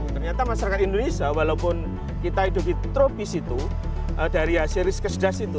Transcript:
ternyata masyarakat indonesia walaupun kita hidup di tropis itu dari hasil risk kesedas itu